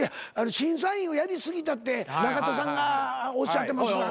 審査員をやり過ぎたって中田さんがおっしゃってます。